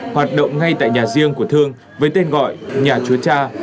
hoạt động ngay tại nhà riêng của thương với tên gọi nhà chúa cha